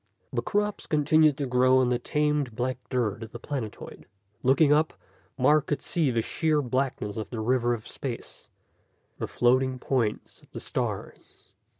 The crops continued to grow on the tamed black dirt of the planetoid. Looking up, Mark could see the sheer blackness of the river of space, the floating points of the stars.